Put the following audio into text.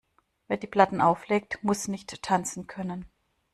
Wer die Platten auflegt, muss nicht tanzen können.